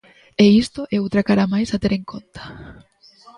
E isto é outra cara máis a ter en conta.